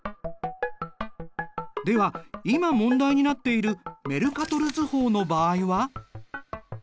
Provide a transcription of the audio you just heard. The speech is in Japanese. では今問題になっているメルカトル図法の場合は？